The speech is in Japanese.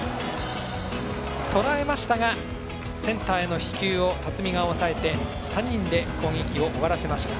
とらえましたがセンターへの飛球を辰己が抑えて３人で攻撃を終わらせました。